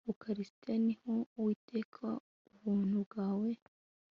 ukaristiya, ni ho utwereka ubuntu bwawe